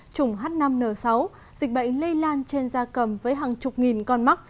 chủng h năm n sáu dịch bệnh lây lan trên da cầm với hàng chục nghìn con mắc